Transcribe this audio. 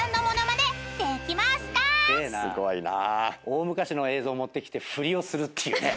大昔の映像持ってきて振りをするっていうね。